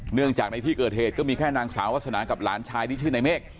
เนื่องจากในที่เกิดเหตุก็มีแค่นางสาววาสนากับหลานชายที่ชื่อในเมฆ